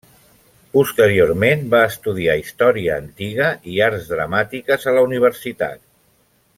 Posteriorment va estudiar història antiga i arts dramàtiques a la universitat.